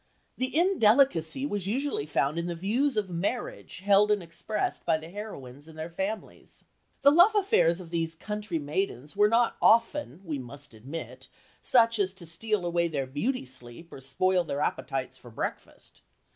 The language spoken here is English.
The "indelicacy" was usually found in the views of marriage held and expressed by the heroines and their families. The love affairs of these country maidens were not often, we must admit, such as to steal away their beauty sleep or spoil their appetites for breakfast.